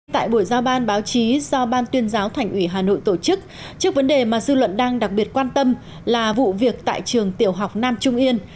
tại buổi giao ban báo chí do ban tuyên giáo thành ủy hà nội tổ chức trước vấn đề mà dư luận đang đặc biệt quan tâm là vụ việc tại trường tiểu học nam trung yên